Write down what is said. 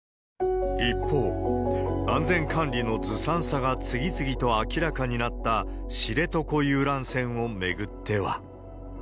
一方、安全管理のずさんさが次々と明らかになった知床遊覧船を巡っては。